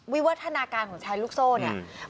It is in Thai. วิวัฒนาการของแชร์ลูกโซ่เนี่ย